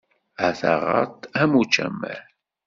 A taɣaṭ, am ucamar!